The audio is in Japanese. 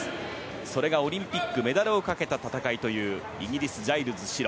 それが、オリンピックのメダルをかけた戦いというイギリスのジャイルズ、白。